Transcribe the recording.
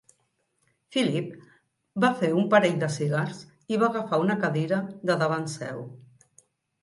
Philip va fer un parell de cigars i va agafar una cadira de davant seu.